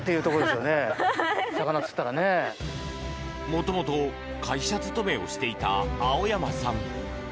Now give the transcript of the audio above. もともと会社勤めをしていた青山さん。